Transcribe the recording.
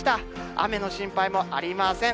雨の心配もありません。